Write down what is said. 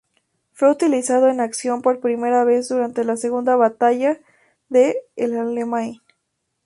Fue utilizado en acción por primera vez durante la Segunda Batalla de El Alamein.